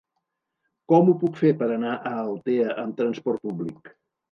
Com ho puc fer per anar a Altea amb transport públic?